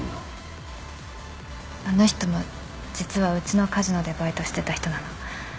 あの人も実はうちのカジノでバイトしてた人なの